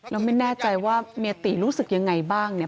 แล้วไม่แน่ใจว่าเมียตีรู้สึกอย่างไร